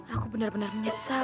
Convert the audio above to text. aku benar benar menyesal